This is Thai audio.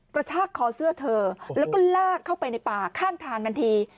กระชากคอเสื้อเธอแล้วก็ลากเข้าไปในป่าข้างทางทันที